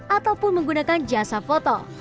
ataupun menggunakan jasa foto